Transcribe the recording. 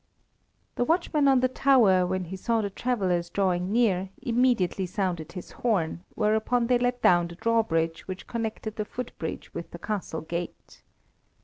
The watchman on the tower, when he saw the travellers drawing near, immediately sounded his horn, whereupon they let down the drawbridge which connected the footbridge with the castle gate.